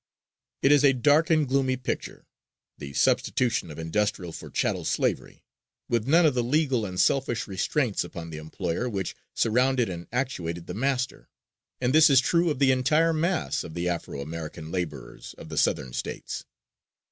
It is a dark and gloomy picture, the substitution of industrial for chattel slavery, with none of the legal and selfish restraints upon the employer which surrounded and actuated the master. And this is true of the entire mass of the Afro American laborers of the Southern States.